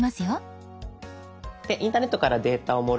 インターネットからデータをもらい